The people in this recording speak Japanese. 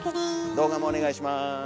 動画もお願いします。